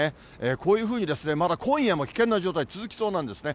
こういうふうに、まだ今夜も危険な状態続きそうなんですね。